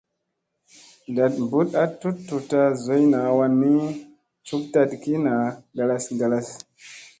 Ndat mbut a tut tutta zoyna wan ni ,cuk tat ki naa ngalas ngalas.